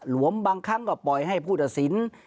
วมบางครั้งก็ปล่อยให้ผู้ตัดสิน